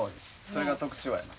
それが特徴や。